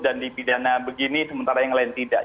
dan dipidana begini sementara yang lain tidak